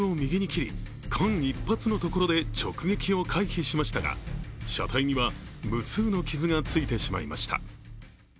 運転手はハンドルを右に切り、間一髪のところで直撃を回避しましたが車体には、無数の傷がついてしまいました。